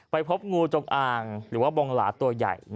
พบงูจงอ่างหรือว่าบงหลาตัวใหญ่